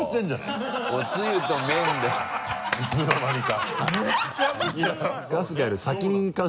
いつの間にか。